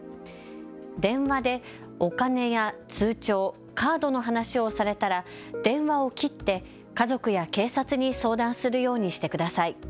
電話でお金や通帳、カードの話をされたら電話を切って家族や警察に相談するようにしてください。